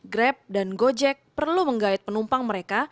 grab dan gojek perlu menggait penumpang mereka